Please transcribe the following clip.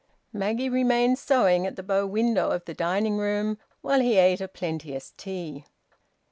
Maggie remained sewing at the bow window of the dining room while he ate a plenteous tea.